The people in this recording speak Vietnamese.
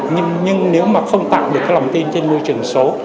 nhưng nếu không tạo được lòng tin trên môi trường số